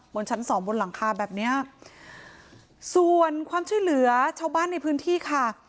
บนชั้นสองบนหลังคาแบบเนี้ยส่วนความช่วยเหลือชาวบ้านในพื้นที่ค่ะ